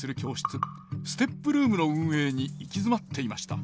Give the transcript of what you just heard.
ＳＴＥＰルームの運営に行き詰まっていました。